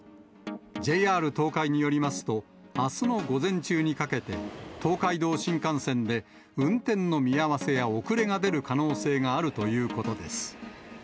ＪＲ東海によりますと、あすの午前中にかけて、東海道新幹線で、運転の見合わせや遅れが出る可能性があるということです。